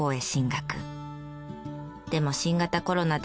でも新型コロナで